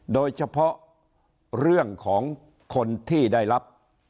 โดยเฉพาะเรื่องของคนที่ได้รับ